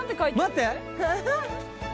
待って！